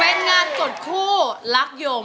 เป็นงานต่อส่วนคู่รักยม